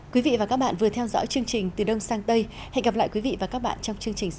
quý vị và các bạn vừa theo dõi chương trình từ đông sang tây hẹn gặp lại quý vị và các bạn trong chương trình sau